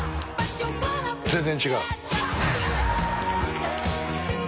全然違う。